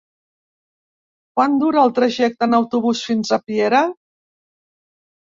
Quant dura el trajecte en autobús fins a Piera?